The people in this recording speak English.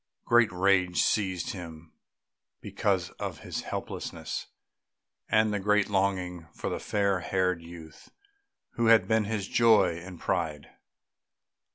Great rage seized him because of his helplessness, and a great longing for the fair haired youth who had been his joy and pride.